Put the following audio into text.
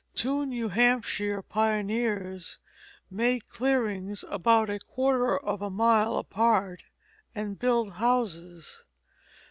Two New Hampshire pioneers made clearings about a quarter of a mile apart and built houses.